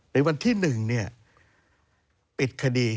ในวันที่หนึ่งเนี่ยปิดคดี